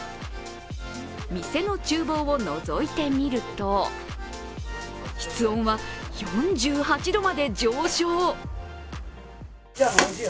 店のちゅう房をのぞいてみると室温は４８度まで上昇。